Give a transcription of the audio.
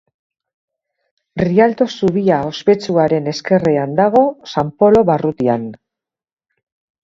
Rialto zubia ospetsuaren ezkerrean dago San Polo barrutian.